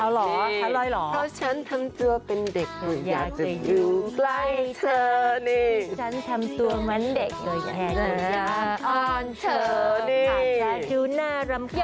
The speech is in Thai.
เพราะฉันทำตัวเป็นเด็กอยากจะอยู่ไกลเธอเนี่ย